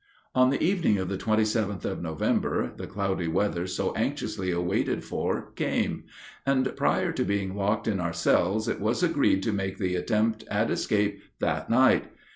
[Illustration: WITHIN THE WOODEN GATE.] On the evening of the 27th of November the cloudy weather so anxiously waited for came; and prior to being locked in our cells it was agreed to make the attempt at escape that night.